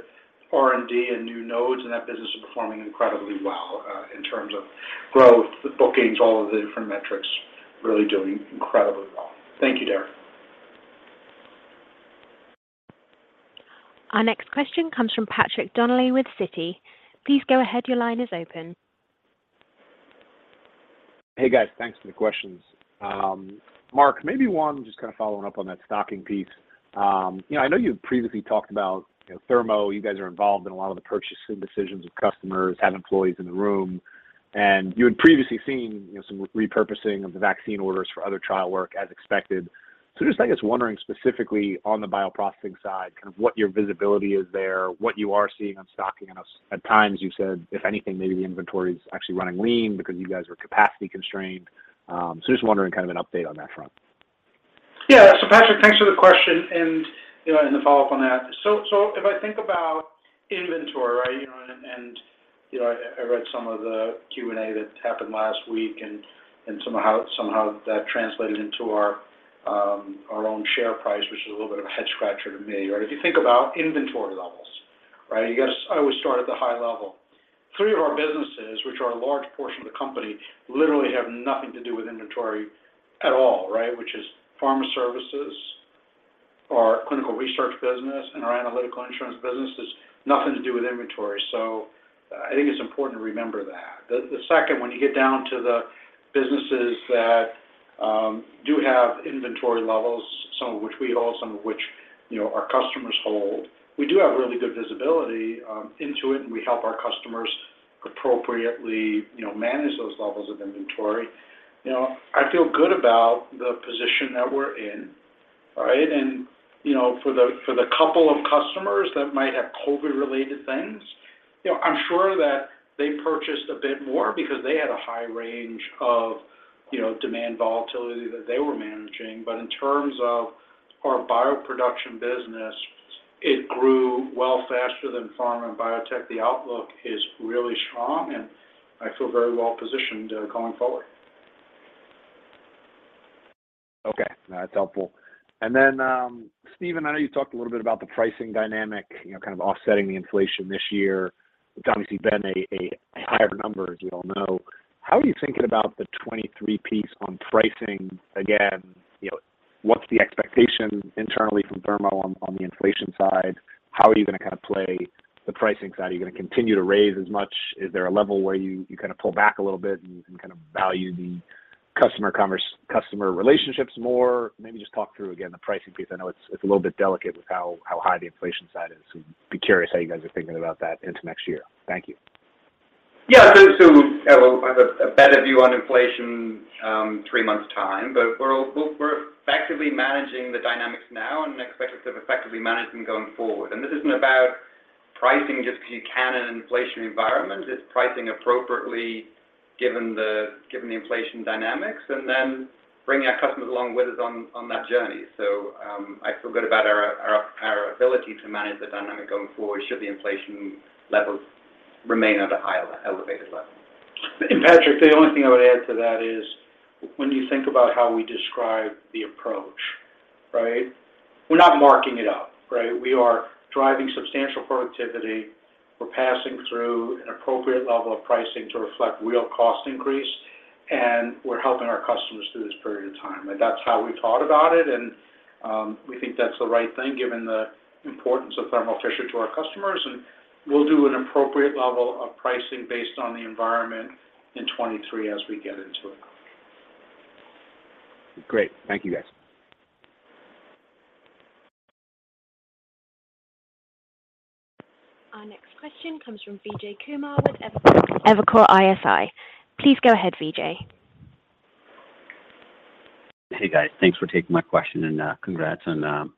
R&D and new nodes, and that business is performing incredibly well in terms of growth, the bookings, all of the different metrics really doing incredibly well. Thank you, Derek. Our next question comes from Patrick Donnelly with Citi. Please go ahead. Your line is open. Hey, guys. Thanks for the questions. Marc, maybe one just kind of following up on that stocking piece. You know, I know you've previously talked about, you know, Thermo, you guys are involved in a lot of the purchasing decisions of customers, have employees in the room, and you had previously seen, you know, some repurposing of the vaccine orders for other trial work as expected. Just, I guess, wondering specifically on the bioprocessing side, kind of what your visibility is there, what you are seeing on stocking. At times you said if anything, maybe the inventory is actually running lean because you guys are capacity constrained. Just wondering kind of an update on that front. Yeah. Patrick, thanks for the question and, you know, the follow-up on that. If I think about inventory, right? You know, I read some of the Q&A that happened last week and somehow that translated into our own share price, which is a little bit of a head scratcher to me, right? If you think about inventory levels, right? You got. I always start at the high level. Three of our businesses, which are a large portion of the company, literally have nothing to do with inventory at all, right? Which is pharma services, our clinical research business, and our analytical instruments business. There's nothing to do with inventory. I think it's important to remember that. When you get down to the businesses that do have inventory levels, some of which we hold, some of which, you know, our customers hold, we do have really good visibility into it, and we help our customers appropriately, you know, manage those levels of inventory. You know, I feel good about the position that we're in, right? You know, for the couple of customers that might have COVID-related things, you know, I'm sure that they purchased a bit more because they had a high range of, you know, demand volatility that they were managing. In terms of our bioproduction business, it grew well faster than pharma and biotech. The outlook is really strong, and I feel very well positioned going forward. Okay. That's helpful. Stephen, I know you talked a little bit about the pricing dynamic, you know, kind of offsetting the inflation this year. It's obviously been a higher number, as you all know. How are you thinking about the 2023 piece on pricing again? You know, what's the expectation internally from Thermo on the inflation side? How are you going to kind of play the pricing side? Are you going to continue to raise as much? Is there a level where you kind of pull back a little bit and you can kind of value the customer relationships more? Maybe just talk through again the pricing piece. I know it's a little bit delicate with how high the inflation side is. I'm curious how you guys are thinking about that into next year. Thank you. Yeah. We'll have a better view on inflation in three months' time. We're effectively managing the dynamics now and expect us to effectively manage them going forward. This isn't about pricing just because you can in an inflation environment. It's pricing appropriately given the inflation dynamics and then bringing our customers along with us on that journey. I feel good about our ability to manage the dynamic going forward should the inflation levels remain at an elevated level. Patrick, the only thing I would add to that is when you think about how we describe the approach, right? We're not marking it up, right? We are driving substantial productivity. We're passing through an appropriate level of pricing to reflect real cost increase, and we're helping our customers through this period of time. That's how we thought about it, and we think that's the right thing given the importance of Thermo Fisher to our customers. We'll do an appropriate level of pricing based on the environment in 2023 as we get into it. Great. Thank you guys. Our next question comes from Vijay Kumar with Evercore ISI. Please go ahead, Vijay. Hey, guys. Thanks for taking my question and congrats on a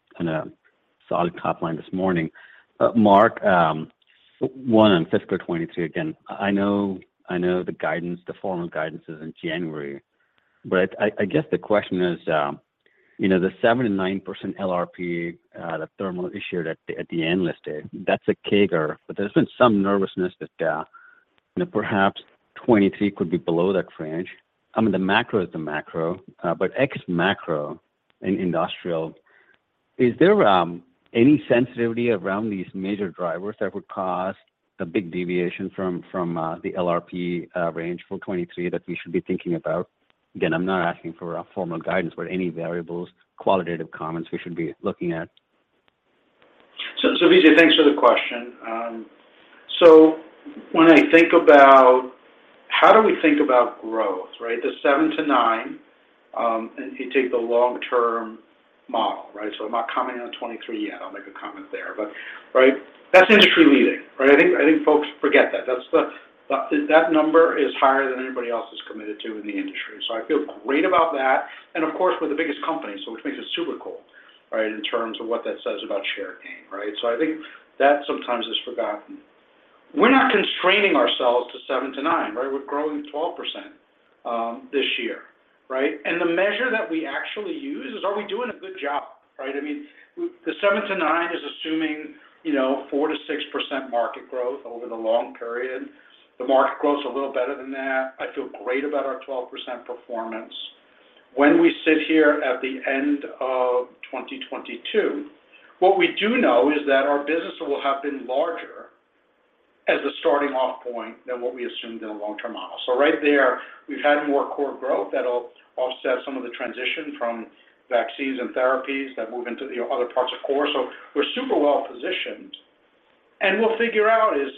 solid top line this morning. Marc, one on fiscal 2023 again. I know the guidance, the formal guidance is in January, but I guess the question is, you know, the 7%-9% LRP that Thermo issued at the analyst day, that's a CAGR. But there's been some nervousness that, you know, perhaps 2023 could be below that range. I mean, the macro is the macro, but ex macro in industrial, is there any sensitivity around these major drivers that would cause a big deviation from the LRP range for 2023 that we should be thinking about? Again, I'm not asking for a formal guidance, but any variables, qualitative comments we should be looking at. Vijay, thanks for the question. When I think about how do we think about growth, right? The 7%-9%, if you take the long-term model, right? I'm not commenting on 2023 yet. I'll make a comment there. Right, that's industry-leading, right? I think folks forget that. That's the number that is higher than anybody else is committed to in the industry. I feel great about that, and of course, we're the biggest company, so which makes it super cool, right, in terms of what that says about share gain, right? I think that sometimes is forgotten. We're not constraining ourselves to 7%-9%, right? We're growing 12% this year, right? The measure that we actually use is, are we doing a good job, right? I mean the 7-9 is assuming, you know, 4%-6% market growth over the long period. The market grows a little better than that. I feel great about our 12% performance. When we sit here at the end of 2022, what we do know is that our business will have been larger as a starting off point than what we assumed in a long-term model. Right there, we've had more core growth that'll offset some of the transition from vaccines and therapies that move into the other parts of core. We're super well-positioned, and we'll figure out is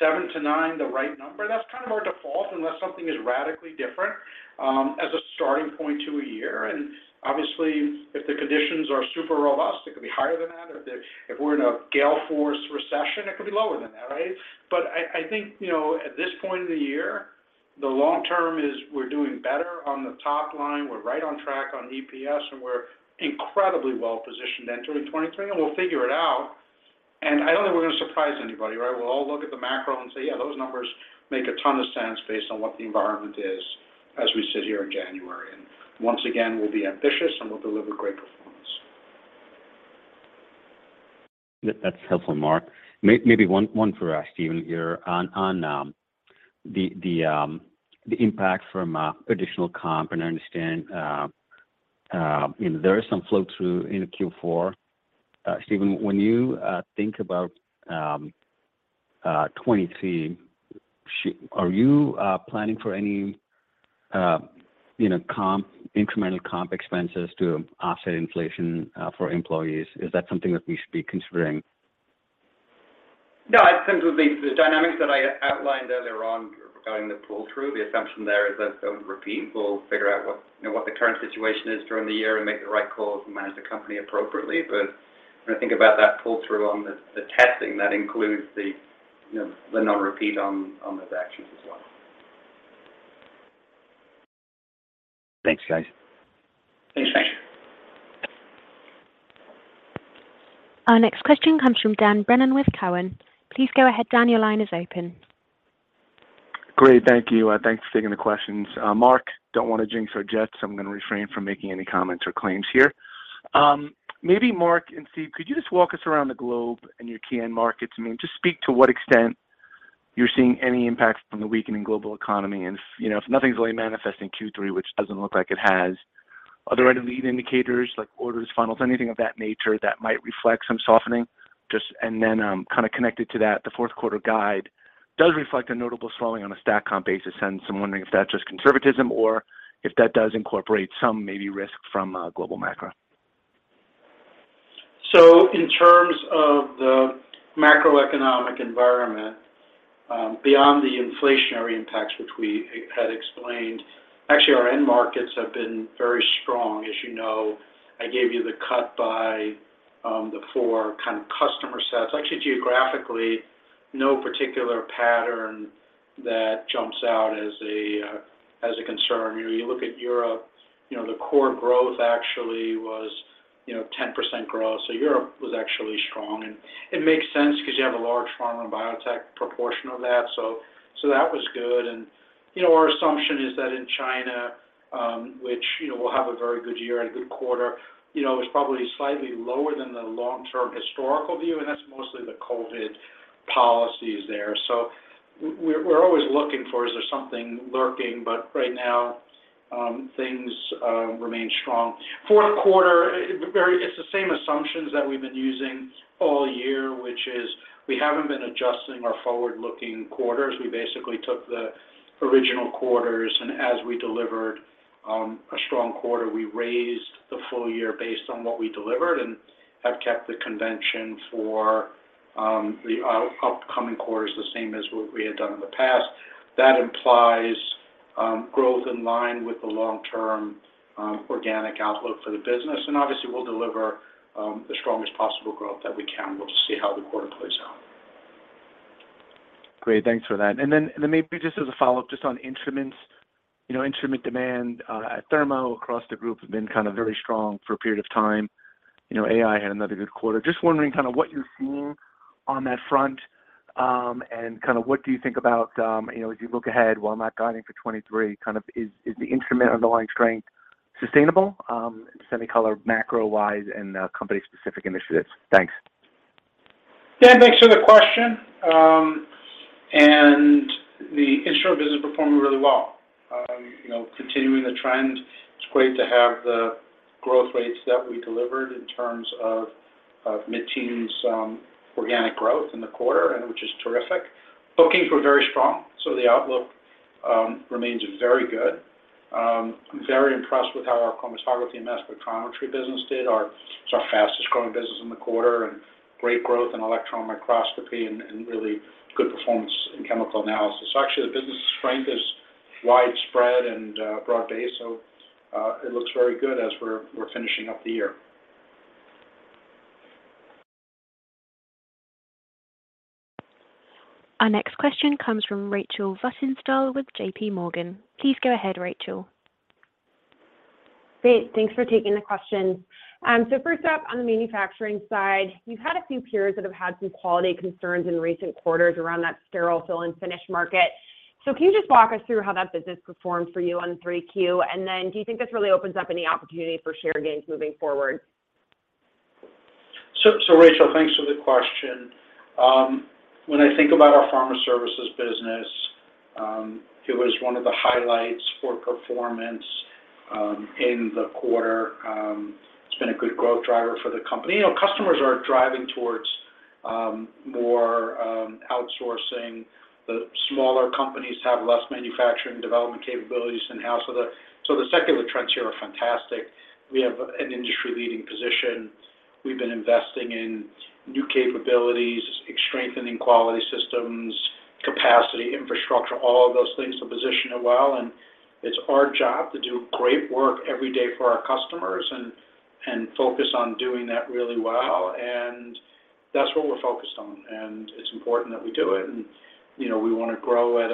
7-9 the right number. That's kind of our default, unless something is radically different, as a starting point to a year. Obviously, if the conditions are super robust, it could be higher than that, or if we're in a gale force recession, it could be lower than that, right? I think, you know, at this point in the year, the long term is we're doing better on the top line. We're right on track on EPS, and we're incredibly well-positioned entering 2023, and we'll figure it out. I don't think we're gonna surprise anybody, right? We'll all look at the macro and say, "Yeah, those numbers make a ton of sense based on what the environment is as we sit here in January." Once again, we'll be ambitious, and we'll deliver great performance. That's helpful, Marc. Maybe one for Stephen here on the impact from additional comp. I understand, you know, there is some flow-through into Q4. Stephen, when you think about 2023, are you planning for any, you know, incremental comp expenses to offset inflation for employees? Is that something that we should be considering? No. I think with the dynamics that I outlined earlier on regarding the pull-through, the assumption there is that don't repeat. We'll figure out what you know what the current situation is during the year and make the right calls and manage the company appropriately. When I think about that pull-through on the testing, that includes you know the non-repeat on those actions as well. Thanks, guys. Thanks. Thanks. Our next question comes from Dan Brennan with Cowen. Please go ahead, Dan. Your line is open. Great. Thank you. Thanks for taking the questions. Marc, don't wanna jinx our jets, so I'm gonna refrain from making any comments or claims here. Maybe Marc and Steve, could you just walk us around the globe and your key end markets? I mean, just speak to what extent you're seeing any impact from the weakening global economy. You know, if nothing's really manifesting Q3, which doesn't look like it has, are there any lead indicators like orders, funnels, anything of that nature that might reflect some softening? And then, kind of connected to that, the fourth quarter guide does reflect a notable slowing on a stack comp basis, and so I'm wondering if that's just conservatism or if that does incorporate some maybe risk from global macro. In terms of the macroeconomic environment, beyond the inflationary impacts which we had explained, actually our end markets have been very strong. As you know, I gave you the cut by the four kind of customer sets. Actually geographically, no particular pattern that jumps out as a concern. You know, you look at Europe, you know, the core growth actually was, you know, 10% growth. Europe was actually strong, and it makes sense because you have a large pharma and biotech proportion of that. That was good. Our assumption is that in China, which, you know, we'll have a very good year and a good quarter, you know, is probably slightly lower than the long-term historical view, and that's mostly the COVID policies there. We're always looking for is there something lurking, but right now, things remain strong. Fourth quarter, it's the same assumptions that we've been using all year, which is we haven't been adjusting our forward-looking quarters. We basically took the original quarters, and as we delivered, a strong quarter, we raised the full year based on what we delivered and have kept the convention for, the upcoming quarters the same as what we had done in the past. That implies, growth in line with the long-term, organic outlook for the business. Obviously, we'll deliver, the strongest possible growth that we can. We'll just see how the quarter plays out. Great. Thanks for that. Maybe just as a follow-up, just on instruments. You know, instrument demand at Thermo across the group has been kind of very strong for a period of time. You know, AI had another good quarter. Just wondering kind of what you're seeing on that front, and kind of what do you think about, you know, as you look ahead, while not guiding for 2023, kind of is the instrument underlying strength sustainable macro-wise and company-specific initiatives? Thanks. Dan, thanks for the question. The instrument business performing really well. You know, continuing the trend. It's great to have the growth rates that we delivered in terms of mid-teens organic growth in the quarter, and which is terrific. Bookings were very strong. The outlook remains very good. I'm very impressed with how our chromatography and mass spectrometry business did. It's our fastest-growing business in the quarter, and great growth in electron microscopy and really good performance in chemical analysis. Actually, the business strength is widespread and broad-based. It looks very good as we're finishing up the year. Our next question comes from Rachel Vatnsdal with JP Morgan. Please go ahead, Rachel. Great. Thanks for taking the question. First up, on the manufacturing side, you've had a few peers that have had some quality concerns in recent quarters around that sterile fill and finish market. Can you just walk us through how that business performed for you in 3Q? Then do you think this really opens up any opportunity for share gains moving forward? Rachel, thanks for the question. When I think about our pharma services business, it was one of the highlights for performance in the quarter. It's been a good growth driver for the company. You know, customers are driving towards more outsourcing. The smaller companies have less manufacturing development capabilities in-house. The secular trends here are fantastic. We have an industry-leading position. We've been investing in new capabilities, strengthening quality systems, capacity, infrastructure, all of those things to position it well. It's our job to do great work every day for our customers and focus on doing that really well. That's what we're focused on, and it's important that we do it. you know, we want to grow at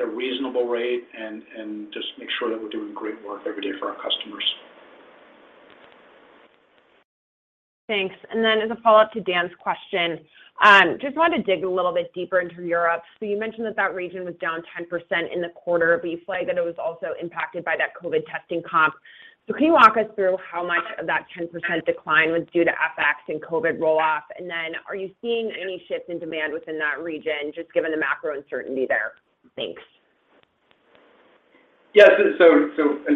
a reasonable rate and just make sure that we're doing great work every day for our customers. Thanks. As a follow-up to Dan's question, just wanted to dig a little bit deeper into Europe. You mentioned that that region was down 10% in the quarter, but you flagged that it was also impacted by that COVID testing comp. Can you walk us through how much of that 10% decline was due to FX and COVID roll-off? Are you seeing any shifts in demand within that region, just given the macro uncertainty there? Thanks. Yes. In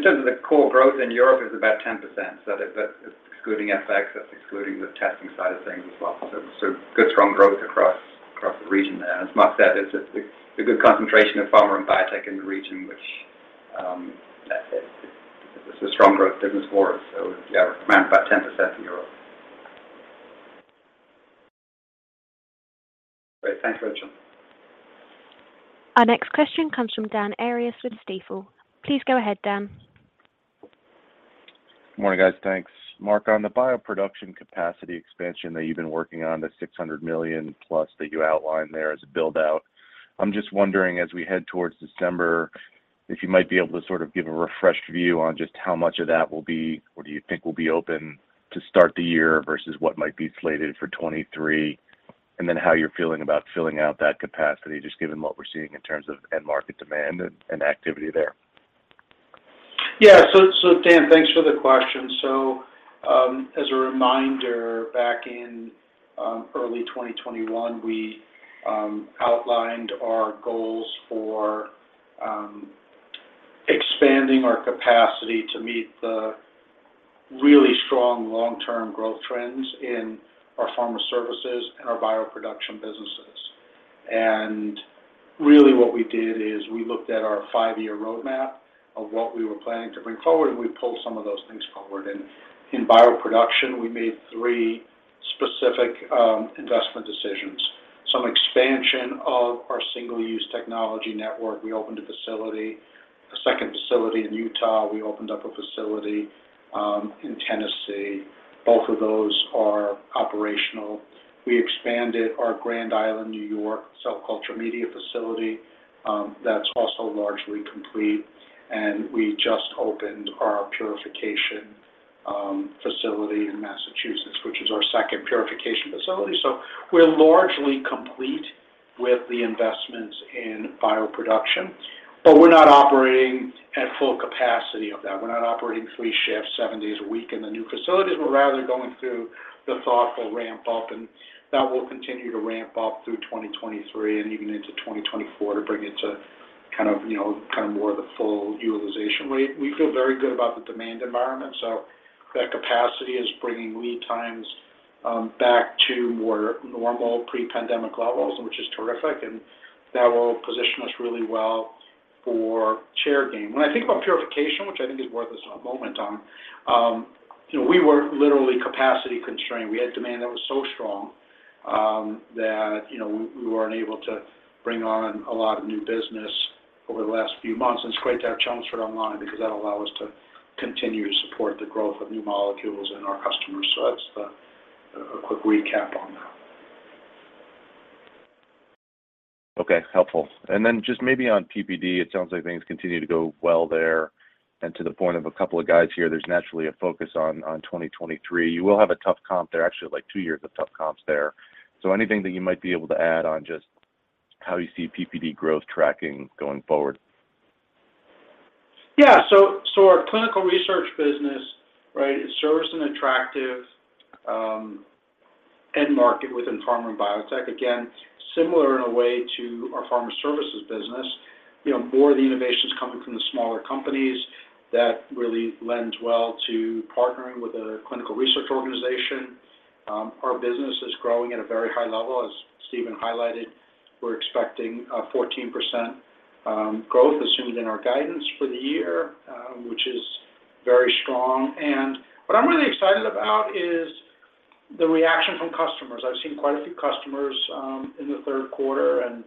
terms of the core growth in Europe, it's about 10%. That's excluding FX, that's excluding the testing side of things as well. Good strong growth across the region there. As Marc said, it's a good concentration of pharma and biotech in the region, which that's it. It's a strong growth business for us. Yeah, around about 10% in Europe. Great. Thanks, Rachel. Our next question comes from Dan Arias with Stifel. Please go ahead, Dan. Morning, guys. Thanks. Marc, on the bioproduction capacity expansion that you've been working on, the $600 million-plus that you outlined there as a build-out, I'm just wondering as we head towards December, if you might be able to sort of give a refreshed view on just how much of that will be or do you think will be open to start the year versus what might be slated for 2023, and then how you're feeling about filling out that capacity just given what we're seeing in terms of end market demand and activity there. Dan, thanks for the question. As a reminder, back in early 2021, we outlined our goals for expanding our capacity to meet the really strong long-term growth trends in our pharma services and our bioproduction businesses. Really what we did is we looked at our five-year roadmap of what we were planning to bring forward, and we pulled some of those things forward. In bioproduction, we made three specific investment decisions. Some expansion of our single-use technology network. We opened a second facility in Utah. We opened a facility in Tennessee. Both of those are operational. We expanded our Grand Island, New York, cell culture media facility. That's also largely complete. We just opened our purification facility in Massachusetts, which is our second purification facility. We're largely complete with the investments in bioproduction, but we're not operating at full capacity of that. We're not operating three shifts, seven days a week in the new facilities. We're rather going through the thoughtful ramp-up, and that will continue to ramp up through 2023 and even into 2024 to bring it to kind of, you know, kind of more the full utilization rate. We feel very good about the demand environment, so that capacity is bringing lead times back to more normal pre-pandemic levels, which is terrific, and that will position us really well for share gain. When I think about purification, which I think is worth a moment on, you know, we were literally capacity constrained. We had demand that was so strong, that you know, we weren't able to bring on a lot of new business over the last few months. It's great to have Chelmsford online because that'll allow us to continue to support the growth of new molecules in our customers. That's a quick recap on that. Okay. Helpful. Just maybe on PPD, it sounds like things continue to go well there. To the point of a couple of guys here, there's naturally a focus on 2023. You will have a tough comp there, actually like two years of tough comps there. Anything that you might be able to add on just how you see PPD growth tracking going forward? Our clinical research business, right, it serves an attractive end market within pharma and biotech. Again, similar in a way to our pharma services business. You know, more of the innovation is coming from the smaller companies that really lend well to partnering with a clinical research organization. Our business is growing at a very high level. As Stephen highlighted, we're expecting 14% growth assumed in our guidance for the year, which is very strong. What I'm really excited about is the reaction from customers. I've seen quite a few customers in the third quarter and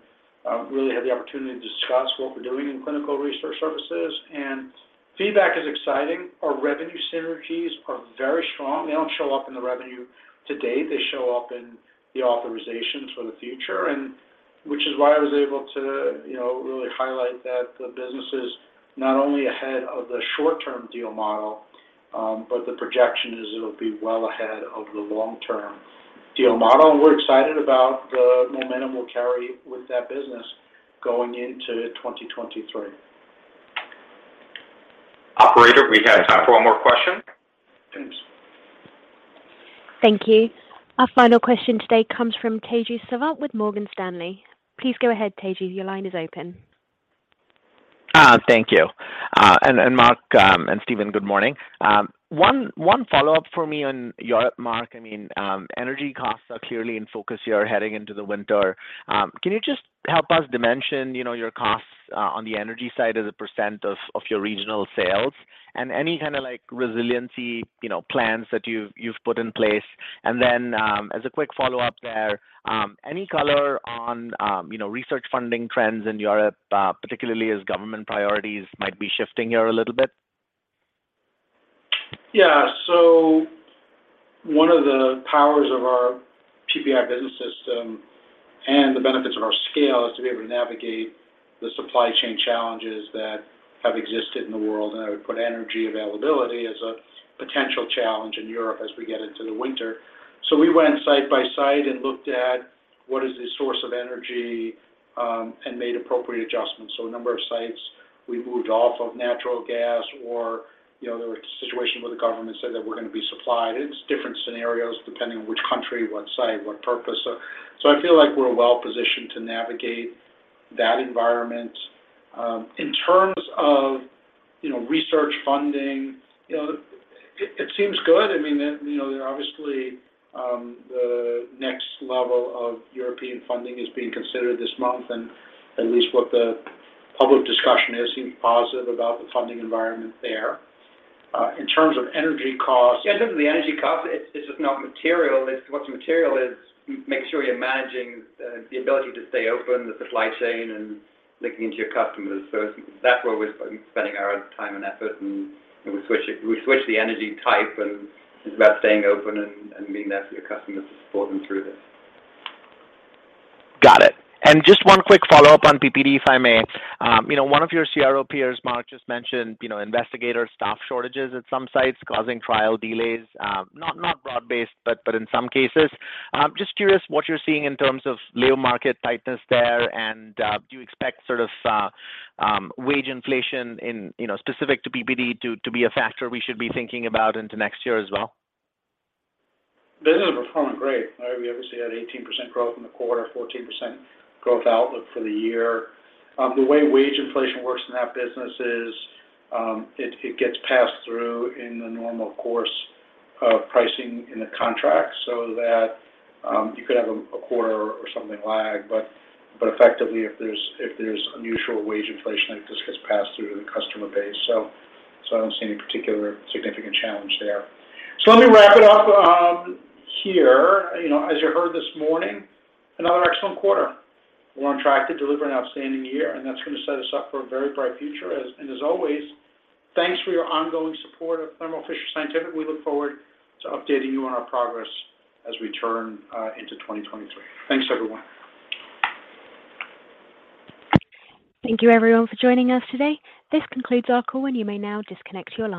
really had the opportunity to discuss what we're doing in clinical research services, and feedback is exciting. Our revenue synergies are very strong. They don't show up in the revenue today. They show up in the authorizations for the future and which is why I was able to, you know, really highlight that the business is not only ahead of the short-term deal model, but the projection is it'll be well ahead of the long-term deal model. We're excited about the momentum we'll carry with that business going into 2023. Operator, we have time for one more question. Thanks. Thank you. Our final question today comes from Tejas Savant with Morgan Stanley. Please go ahead, Teju. Your line is open. Thank you. And Marc and Stephen, good morning. One follow-up for me on Europe, Marc. I mean, energy costs are clearly in focus here heading into the winter. Can you just help us dimension, you know, your costs on the energy side as a percent of your regional sales and any kinda, like, resiliency, you know, plans that you've put in place? As a quick follow-up there, any color on, you know, research funding trends in Europe, particularly as government priorities might be shifting here a little bit? Yeah. One of the powers of our PPI business system and the benefits of our scale is to be able to navigate the supply chain challenges that have existed in the world, and I would put energy availability as a potential challenge in Europe as we get into the winter. We went site by site and looked at what is the source of energy, and made appropriate adjustments. A number of sites we moved off of natural gas or, you know, there were situations where the government said that we're gonna be supplied. It's different scenarios depending on which country, what site, what purpose. I feel like we're well-positioned to navigate that environment. In terms of, you know, research funding, you know, it seems good. I mean, you know, obviously, the next level of European funding is being considered this month, and at least what the public discussion is seems positive about the funding environment there. In terms of energy costs. Yeah. In terms of the energy costs, it's just not material. It's what's material is make sure you're managing the ability to stay open with the supply chain and linking into your customers. That's where we're spending our time and effort, and we switch the energy type, and it's about staying open and being there for your customers to support them through this. Got it. Just one quick follow-up on PPD, if I may. You know, one of your CRO peers, Marc, just mentioned, you know, investigator staff shortages at some sites causing trial delays, not broad-based, but in some cases. Just curious what you're seeing in terms of labor market tightness there and do you expect sort of wage inflation in, you know, specific to PPD to be a factor we should be thinking about into next year as well? Business is performing great. I mean, we obviously had 18% growth in the quarter, 14% growth outlook for the year. The way wage inflation works in that business is, it gets passed through in the normal course of pricing in the contract so that you could have a quarter or something lag. Effectively, if there's unusual wage inflation, it just gets passed through to the customer base. I don't see any particular significant challenge there. Let me wrap it up here. You know, as you heard this morning, another excellent quarter. We're on track to deliver an outstanding year, and that's gonna set us up for a very bright future. As always, thanks for your ongoing support of Thermo Fisher Scientific. We look forward to updating you on our progress as we turn into 2023. Thanks, everyone. Thank you, everyone, for joining us today. This concludes our call, and you may now disconnect your lines.